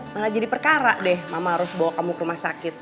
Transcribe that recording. malah jadi perkara deh mama harus bawa kamu ke rumah sakit